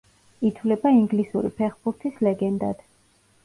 ითვლება ინგლისური ფეხბურთის ლეგენდად.